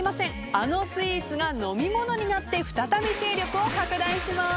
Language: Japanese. あのスイーツが飲み物になって再び勢力を拡大します。